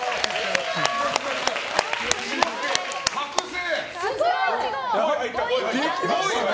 覚醒！